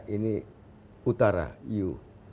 ini utara you